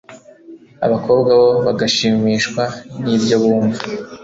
abakobwa bo bagashimishwa n ibyo bumva